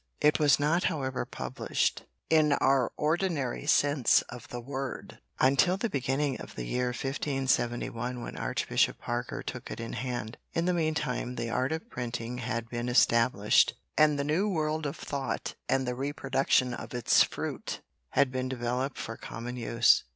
It was not however published in our ordinary sense of the word until the beginning of the year 1571 when Archbishop Parker took it in hand. In the meantime the art of printing had been established and the new world of thought and the reproduction of its fruit, had been developed for common use.